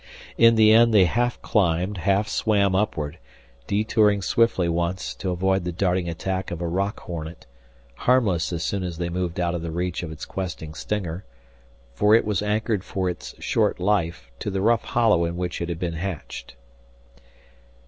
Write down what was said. In the end they half climbed, half swam upward, detouring swiftly once to avoid the darting attack of a rock hornet, harmless as soon as they moved out of the reach of its questing stinger, for it was anchored for its short life to the rough hollow in which it had been hatched.